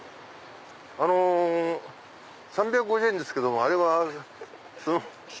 あの３５０円ですけどもあれはその。